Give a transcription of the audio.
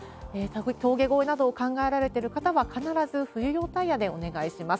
峠越えなどを考えられている方は、必ず冬用タイヤでお願いします。